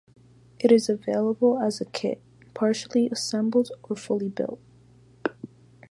It is available as a kit, partially assembled, or fully built.